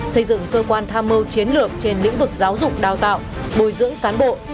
xây dựng cơ quan tham mưu chiến lược trên lĩnh vực giáo dục đào tạo bồi dưỡng cán bộ